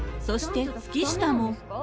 そして月下も。